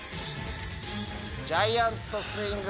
「ジャイアントスイング」。